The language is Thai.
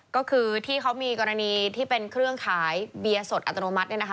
ก็คือที่เขามีกรณีที่เป็นเครื่องขายเบียร์สดอัตโนมัติเนี่ยนะคะ